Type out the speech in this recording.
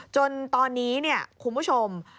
จนตอนนี้คุณผู้ชม